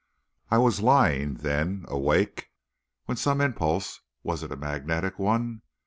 I was lying, then, awake, when some impulse was it a magnetic one?